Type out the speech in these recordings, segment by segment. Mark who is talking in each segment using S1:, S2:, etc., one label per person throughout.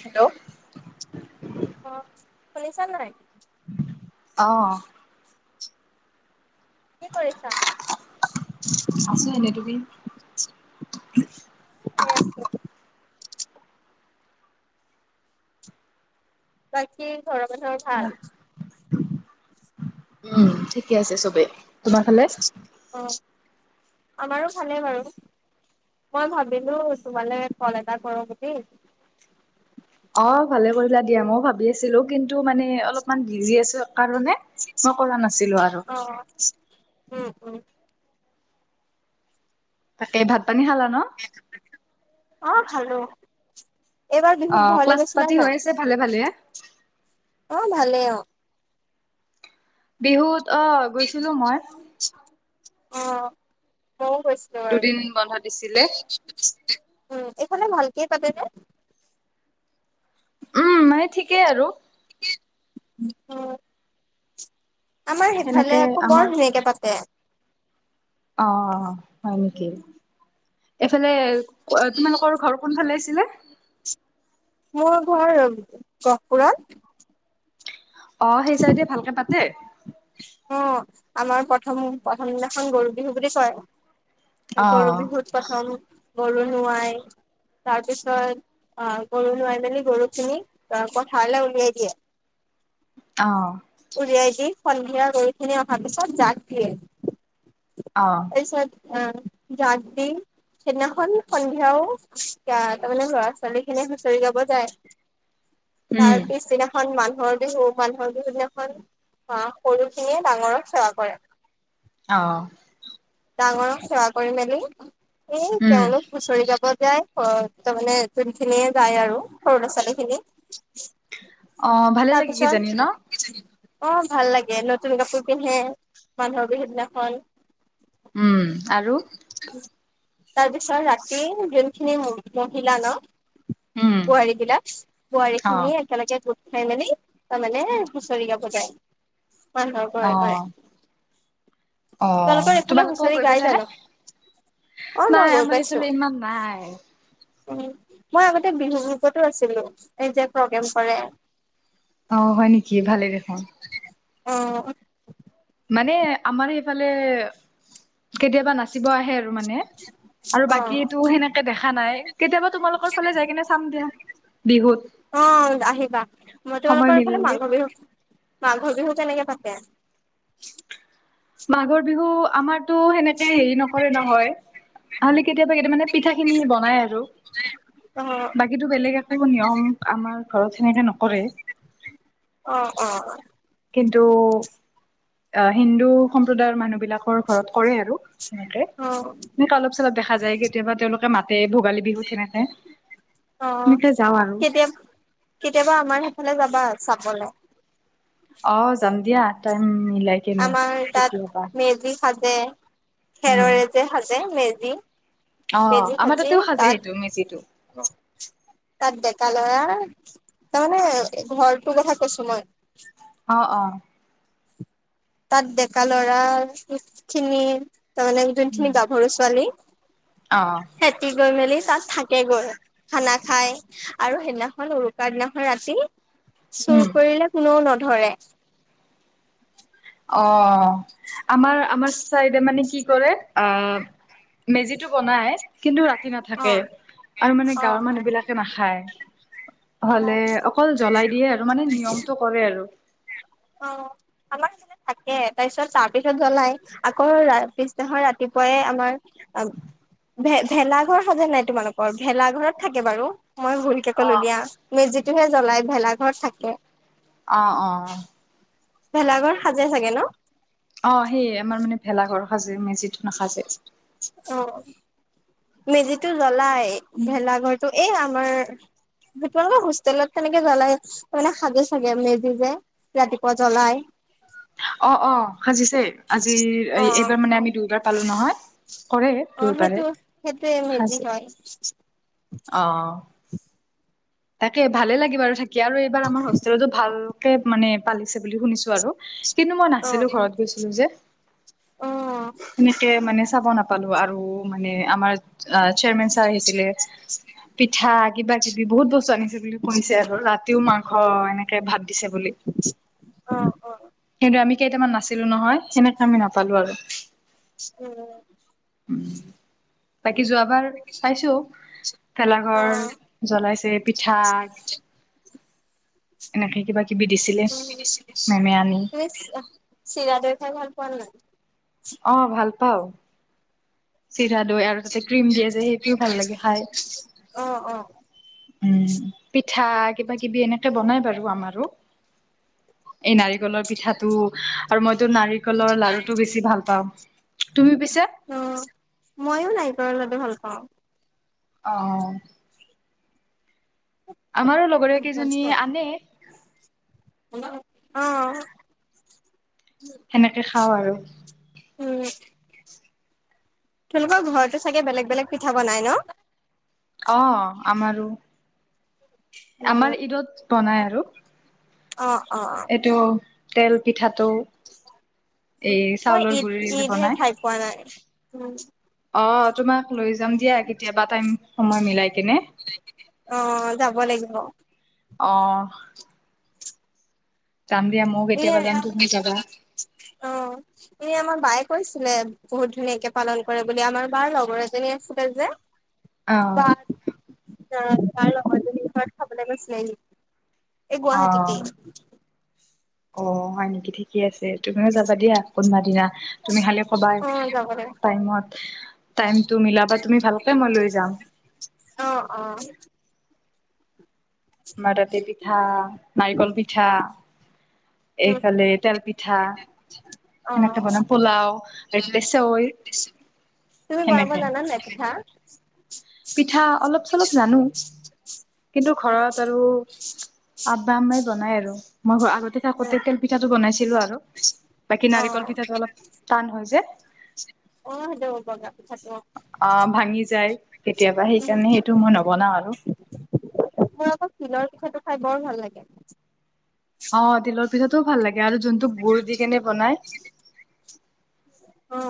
S1: Hello
S2: অ' শুনিছা নাই?
S1: অ'
S2: কি কৰিছা?
S1: আছো এনেই তুমি?
S2: বাকী ঘৰৰ মানুহৰ ভাল।
S1: উম ঠিকে আছে চবেই। তোমাৰ ফালে?
S2: অ' আমাৰো ভালেই বাৰু মই ভাবিলো তোমালে কল এটা কৰোঁ বুলি।
S1: অ' ভালে কৰিলা দিয়া মই ভাবি আছিলো কিন্তু মানে অলপমান বিজি আছো। কাৰণে মই কৰা নাছিলো আৰু
S2: অ উম উম
S1: তাকে ভাত পানী খালা ন?
S2: খালোঁ। এইবাৰ বিহুত
S1: অ',
S2: ঘৰলে
S1: ক্লাছ
S2: গৈছিলা
S1: পাতি হৈ
S2: নাই?
S1: আছে ভালে ভালে
S2: অ' ভালেই অ'
S1: বিহুত অ' গৈছিলো মই।
S2: অ' মইও গৈছিলো বাৰু।
S1: দুদিন বন্ধ দিছিলে
S2: উম এইফালে ভাল কে পাতে নে?
S1: উম মানে ঠিকেই আৰু।
S2: অ' আমাৰ
S1: সেনেকে
S2: সেইফালে আকৌ
S1: আমাৰ
S2: বৰ ধুনীয়াকে পাতে।
S1: অ' হয় নেকি? এফালে তোমালোকৰ ঘৰ কোনফালে? ছিলে।
S2: মোৰ ঘৰ গহপুৰত।
S1: অ' সেই চাইডে ভালকে পাতে।
S2: অ' আমাৰ প্ৰথম প্ৰথম দিনাখন গৰু বিহু বুলি কয়। গৰু
S1: অ',
S2: বিহুত প্ৰথম গৰু নোৱাই তাৰপিছত। অ' গৰু নোৱাৰাই মেলি গৰু খিনি পথাৰলৈ উলিয়াই দিয়ে।
S1: অ'।
S2: উলিয়াই দি সন্ধিয়া গৰু খিনি অহাৰ পিছত জাক দিয়ে।
S1: অ'
S2: অ' যাক দিম। সেইদিনাখন সন্ধিয়াও ক তাৰমানে ল'ৰা ছোৱালী খিনি হুঁচৰি গাব যায়।
S1: উম,
S2: তাৰ পিছদিনাখন মানুহৰ বিহু মানুহৰ বিহু দিনাখন আ সৰু খিনিয়ে ডাঙৰক সেৱা কৰে।
S1: অ'
S2: ডাঙৰক সেৱা কৰি মেলি সেই
S1: উম,
S2: তেওঁলোক হুঁচৰি গাব। যাই তাৰমানে যোনখিনিয়ে যায় আৰু সৰু ল'ৰা ছোৱালী খিনি।
S1: অ', ভালে লাগে কিজানি ন?
S2: তাৰপিছত অ' ভাল লাগে। নতুন কাপোৰ পিন্ধে মানুহৰ বিহু দিনাখন।
S1: উম আৰু
S2: তাৰপিছত ৰাতি যোনখিনি মহিলা ন
S1: উম,
S2: বোৱাৰী বিলাক
S1: অ',
S2: বোৱাৰীখিনিয়ে একেলগে। খাই মেলি তাৰমানে হুঁচৰি গাব যায়। মানুহৰ ঘৰে ঘৰে
S1: অ', অ'
S2: তোমালোকৰ এইফালে
S1: তোমালোকো
S2: হুঁচৰি
S1: গৈ
S2: গাই
S1: পাইছা নে?
S2: জানো অ মই
S1: নাই আমাৰ এইফালে ইমান নাই।
S2: উ মই আগতে বিহু গ্ৰুপতো আছিলো এই যে প্ৰগ্ৰেম কৰে।
S1: অ' হয় নেকি ভালেই দেখোন।
S2: অঁ।
S1: মানে আমাৰ সেইফালে কেতিয়াবা নাচিব আহে আৰু মানে আৰু
S2: অ
S1: বাকী সেনেকে দেখা নাই কেতিয়াবা তোমালোকৰ ফালে যাই কিনে চাম দিয়া। বিহুত
S2: অঁ আহিবা মই
S1: সময়
S2: তোমালোকৰ খালে
S1: মিলিলে
S2: মাঘ বিহু মাঘ বিহু তেনেকে থাকে।
S1: মাঘৰ বিহু আমাৰতো সেনেকে হেৰি নকৰে নহয়। খালি কেতিয়াবা কেতিয় মানে পিঠা খিনি বনাই আৰু।
S2: অ
S1: বাকীতো বেলেগ একো নিয়ম আমাৰ ঘৰত সেনেকে নকৰে।
S2: অঁ অঁ।
S1: কিন্তু অ, হিন্দু সম্প্ৰদায়ৰ মানুহ বিলাকৰ ঘৰত। কৰে আৰু
S2: অ
S1: সেনেকে অলপ চলপ দেখা যায় কেতিয়াবা তেওলোকে মাতে ভ ভোগালী বিহু তেনেকে
S2: অ, কেতিয় - কেতিয়াবা আমাৰ সেইফালে যাবা চাবলে।
S1: অ, যাম দিয়া টাইম। মিলাই কেনে
S2: আমাৰ তাত
S1: কেতিয়াবা
S2: মেজি সাজে
S1: উম
S2: খেৰৰে যে সাজে মেজি।
S1: অ
S2: মেজি
S1: আমাৰ
S2: খাজি
S1: তাতেও সাজে সেইটো মেজিটো
S2: তাত তাত ডেকা লৰা তাৰমানে ঘৰটো কথা কৈছো মই।
S1: অ - অ।
S2: তাত ডেকা লৰা খিনি তাৰমানে
S1: উম
S2: যোনখিনি গাভৰু ছোৱালী
S1: অ
S2: সেতি গৈ মেলি। তাত থাকে গৈ খানা খাই আৰু সেইদিনাখন উৰুকাৰ দিনাখন ৰাতি
S1: উম
S2: চুৰ কৰিলে কোনেও নধৰে।
S1: অ, আমাৰ - আমাৰ চাইডে মানে কি কৰে আ, মেজ বনাই কিন্তু ৰাতি
S2: অ
S1: নাথাকে আৰু মানে
S2: অ
S1: গাৱৰ মানুহ বিলাকে নাখায়।
S2: অ
S1: হ'লে অকল জ্বলাই দিয়ে আৰু মানে নিয়মটো কৰে আৰু।
S2: অ', থাকে তাৰ পিছত তাৰ পিছত জ্বলাই আকৌ পিছদিনা ৰাতিপুৱাই আমাৰ ভে ভেলা ঘৰ সজে নাই তোমালোকৰ ভেলা ঘৰত থাকে বাৰু। মই ভুলকে কলো
S1: অ'
S2: দিয়া মেজিটোহে জ্বলাই ভেলা ঘৰত থাকে।
S1: অহ - অহ।
S2: ভেলাঘৰ সাজে চাগে ন।
S1: অ, সেইয়ে আমাৰ মানে ভেলাঘৰ সাজে মেজিটো নাসাজে।
S2: অ, মেজিটো জ্বলাই ভেলাঘৰটো এই আমাৰ তোমালোকৰ হোষ্টেলত কেনেকে জ্বলাই মানে সাজে চাগে মেজি যে ৰাতিপুৱা জ্বলাই।
S1: অ - অ সাজিছে আজিৰ
S2: অ
S1: এইবাৰ মানে আমি দুবাৰ পালো নহয়। কৰে
S2: অ
S1: তোৰবাৰে
S2: সেইটো সেইটোয়ে মেজি
S1: সাজে।
S2: হয়
S1: অহ', তাকে ভালে লাগিবাৰু থাকি আৰু এইবাৰ আমাৰ হোষ্টেলতো ভালকে মানে পালিছে বুলি শুনিছো। কিন্তু মই
S2: অ
S1: নাছিলো ঘৰত গৈছিলো যে,
S2: অ অ
S1: এনেকে মানে চাব নাপালো আৰু মানে আমাৰ চেয়াৰমেন ছাৰ আহিছিলে। পিঠা কিবা কিবি বহুত বস্তু আনিছে বুলি কৈছে আৰু ৰাতিও মাংস এনেকে ভাত। দিছে বুলি,
S2: অ অ
S1: কিন্তু আমি কেইটামান নাছিলো নহয় সেনেকে আমি নাপালো আৰু।
S2: উম!
S1: বাকী যোৱাবাৰ পাইছো। ভেলাঘৰ
S2: অ
S1: জ্বলাইছে পিঠা এনেকে কিবা। কিবি দিছিলে
S2: তুমি
S1: মেমে আনি
S2: চিৰা দৈ খাই ভাল পোৱা নাই।
S1: আহ ভাল পাওঁ। চিৰা দৈ আৰু তাতে ক্ৰীম দিয়ে যে সেইটোও ভাল লাগে খাই।
S2: অ', অ',
S1: উম, পিঠা কিবা কিবি এনেকে বনাই বাৰু আমাৰো। এই নাৰিকলৰ পিঠাটো আৰু মইতো নাৰিকলৰ লাৰুটো বেছি ভাল পাওঁ। তুমি পিছে
S2: অ মইও নাৰিকলৰ লাডু ভাল পাওঁ।
S1: অহ। আমাৰো লগৰো
S2: অ',
S1: কেইজনী আনে
S2: অ।
S1: সেনেকে খাও আৰু।
S2: উম। তোমালোকৰ ঘৰতো চাগে বেলেগ বেলেগ পিঠা বনাই ন?
S1: অ, আমাৰো
S2: উম,
S1: আমাৰ ঈদত বনাই আৰু।
S2: অ, অ, অ।
S1: এইটো তেল পিঠাটো। এই
S2: মই
S1: চাউলৰ
S2: ঈদ
S1: গুৰি এই যে
S2: ঈদহে
S1: বনাই। অ,
S2: খাই পোৱা নাই।
S1: তোমাক লৈ যাম দিয়া কেতিয়াবা টাইম সময় মিলাই কেনে।
S2: অ, যাব লাগিব।
S1: অ। যাম দিয়া ময়ো
S2: এ,
S1: কেতিয়াবা যাম তুমিও যাবা।
S2: অ এ আমাৰ বাইক কৈছিলে বহুত ধুনীয়াকে পালন কৰে বুলি আমাৰ বাৰ লগৰ এজনী আছিলে যে।
S1: অ
S2: অ তাৰ লগৰজনী ঘৰত খাব গৈছিল ই এই
S1: অ',
S2: গুৱাহাটীতে।
S1: অ, হয় নেকি ঠিকেই আছে। তুমিও যাবা দিয়া কোনোবা দিনা। তুমি খালে কবা
S2: অ', যাব লাগিব।
S1: টাইমত, টাইমটো মিলাবা তুমি ভালকে মই লৈ যাম।
S2: অ, অ।
S1: মাৰতি পিঠা, নাৰিকল পিঠা,
S2: উম,
S1: এইফালে তেল পিঠ পিঠা
S2: অ',
S1: সেনেকে বনাম পোলাও ইফালে ফালে চৈ।
S2: তুমি বনাব জানা নাই পিঠা?
S1: পিঠা অলপ- চলপ জানো কিন্তু
S2: অ',
S1: ঘৰত আৰু আববা আম্মাই বনাই আৰু মই ঘ আগতে থাকোতে তেল পিঠাটো বনাইছিলো আৰু। বাকী নাৰিকল পিঠাটো অলপ টান হয় যে। আহ
S2: [unintelligible]
S1: ভাঙি যায় কেতিয়াবা সেইকাৰণে সেইটো মই নবনাও আৰু।
S2: মোৰ আকৌ তিলৰ পিঠাটো খাই বৰ ভাল লাগে।
S1: অ, তিলৰ পিঠাটোও ভাল লাগে আৰু জোনটো গুড দি কেনে বনাই।
S2: অ।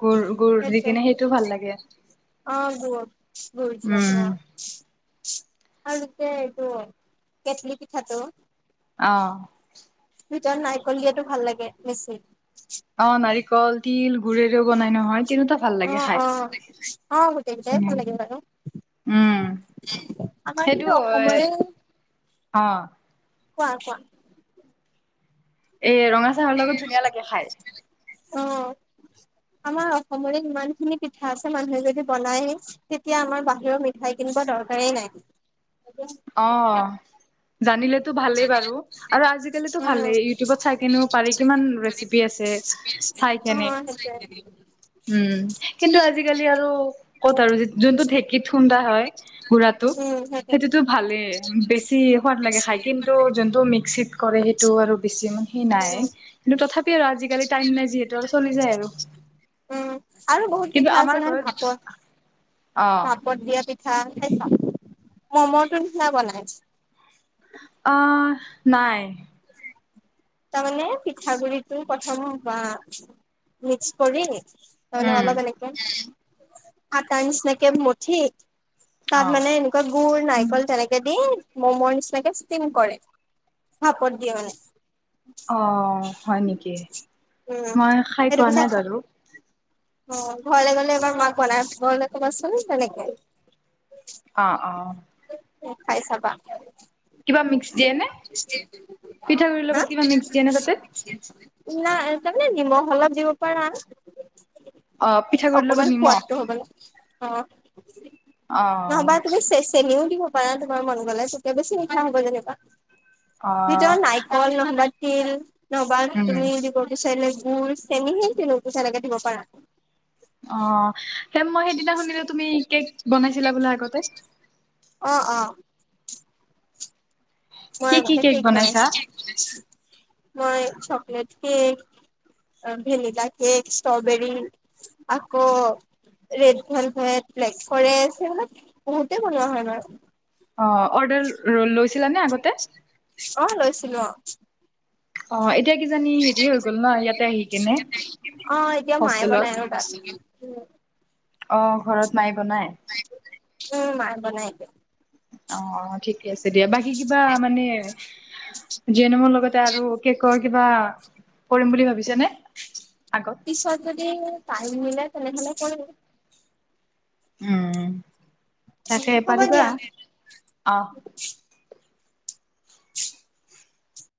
S1: গুৰ, গুৰ দি
S2: সেইটোৱে
S1: কিনে সেইটো ভাল লাগে।
S2: অ, গুৰ গুৰ দিয়াটো
S1: উম
S2: অহ। আৰুতে এইটো কেটলি পিঠাটো।
S1: অহ
S2: ভিতৰত নাৰিকল দিয়াটো ভাল লাগে বেচি।
S1: অ, নাৰিকল তিল গুৰেৰেও বনাই নহয়। তিনিটা ভাল
S2: অ,
S1: লাগে খাই
S2: অ, অ গোটেই কেইটাই ভাল লাগিব আৰু।
S1: উম
S2: আমাৰ
S1: সেইটো
S2: কিন্তু
S1: এ
S2: অসমৰে
S1: অ।
S2: কোৱা কোৱা?
S1: এ, ৰঙা চাহৰ লগত ধুনীয়া লাগে খাই।
S2: অ', আমাৰ অসমৰে ইমান খিনি পিঠা আছে মানুহে যদি বনায় তেতিয়া আমাৰ বাহিৰৰ মিঠাই কিনিব দৰ দৰকাৰেই নাই।
S1: অ, জানিলে ভালে বাৰু আৰু আজিকালটো ভালে
S2: উম
S1: ইটিউবত চাইকিনেও পাৰি কিমান ৰেচিপি আছে।
S2: অ
S1: চাই কেনে
S2: সেইটোৱে
S1: উম কিন্তু আজিকালি আৰু ক'ত আৰু যোনটো ঢেকিত খুন্দা হয় গুড়াটো সেইটোতো ভালে বেছি সোৱাদ লাগে খাই কিন্তু যোনটো মিক্সিত কৰে সেইটো আৰু বেছি ইমান সেই নাই কিন্তু তথাপি আৰু আজিকালি টাইম নাই যিহেতু আৰু চলি যায় আৰু
S2: উম আৰু বহুত
S1: কিন্তু
S2: পিঠা
S1: আমাৰ
S2: আছে নহয়
S1: ঘৰত
S2: ভাপত,
S1: অ
S2: ভাপত দিয়া পিঠা খাইছা মমটো নিচিনা বনাই
S1: অ নাই
S2: তাৰমানে পিঠাগুড়ি টো প্ৰথম বা মিক্স কৰি তাৰমানে
S1: উম
S2: অলপ এনেকে আকাৰ নিচিনাকে মঠি তাত
S1: অ
S2: মানে এনেকোৱা গুৰ নাই নাৰিকল তেনেকে দি মমৰ নিচিনাকে ষ্টিম কৰে ভাপত দিয়ে মানে
S1: অ হয় নেকি
S2: উম
S1: মই খাই
S2: সেইটো
S1: পোৱা
S2: পিঠা
S1: নাই
S2: খা
S1: বাৰু
S2: অ ঘৰলে গ'লে এবাৰ মাক বনাই খোৱাবলে ক'বাচোন তেনেকে
S1: অ অ
S2: খাই চাবা
S1: কিবা মিক্স দিয়ে নে পিঠা গুড়ি
S2: হা
S1: লগত কিবা মিক্স দিয়ে নে তাতে
S2: নাই তামানে নিমখ অলপ দিব পাৰা
S1: অ পিঠাগুড়িৰ লগত
S2: অকমান
S1: নিমখ
S2: সোৱাদটো হ'বলে অ
S1: অ
S2: নহ'বা তুমি চে চেনিও দিব পাৰা তোমাৰ মন গ'লে তেতিয়া বেছি মিঠা হ'ব যেনেবা
S1: অ',
S2: ভিতৰত নাৰিকল নহ'বা তিল নহ'বা
S1: উম,
S2: তুমি দিব বিচাৰিলে গুড় চেনিহে তেনেকে দিব পাৰা
S1: অ সেই মই সেইদিনা শুনিলো তুমি কেক বনাইছিলা বোলে আগতে
S2: অ অ মই
S1: কি কি
S2: আগতে কেক
S1: বনাইছা?
S2: বনাইছিলো কি কেক বনাইছা মই চকলেট কেক অ ভেনিলা কেক ষ্ট্ৰবেৰি আক ৰেড ভেলভেত, ব্লেক ফৰেষ্ট সেইবিলাক বহুতে বনোৱা হয় বাৰু
S1: অ অৰ্ডাৰ লৈ লৈছিলানে আগতে
S2: অ' লৈছিলো অ
S1: অ এ এতিয়া কিজানি হেৰি হৈ গ'ল ন ইয়াতে আহি কেনে
S2: অ এতিয়া মায়ে
S1: হোষ্টেলত
S2: বনাই ৰবা উম
S1: অহ ঘৰত মায়ে বনাই
S2: উম মায়ে বনাই
S1: অ ঠিকে আছে দিয়া বাকী কিবা মানে জেনমৰ লগতে আৰু কেকৰ কিবা কৰিম বুলি ভাবিছা নে
S2: পিছত যদি টাইম মিলে তেনেহলে কৰিম
S1: উম তাকে
S2: হ'ব
S1: পাৰিবা
S2: দিয়া
S1: অ